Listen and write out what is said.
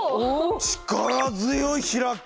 力強い開き！